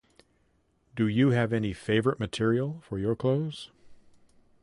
Do you have any favorite material for your clothes?